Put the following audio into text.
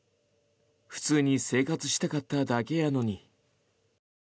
普通に生活したかっただけやのに。